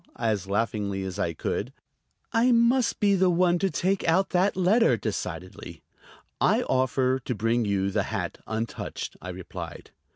as laughingly as I could. "I must be the one to take out that letter," decidedly. "I offer to bring you the hat untouched," I replied.